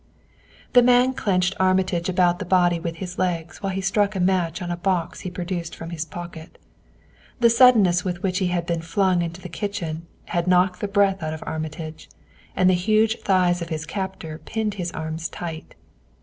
The man clenched Armitage about the body with his legs while he struck a match on a box he produced from his pocket. The suddenness with which he had been flung into the kitchen had knocked the breath out of Armitage, and the huge thighs of his captor pinned his arms tight.